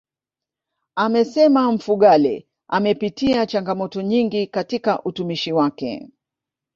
Amesema Mfugale amepitia changamoto nyingi katika utumishi wake